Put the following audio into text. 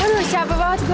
aduh capek banget gue